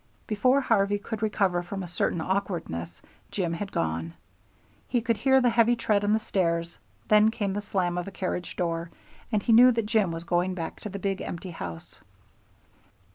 Before Harvey could recover from a certain awkwardness, Jim had gone. He could hear the heavy tread on the stairs. Then came the slam of a carriage door, and he knew that Jim was going back to the big, empty house.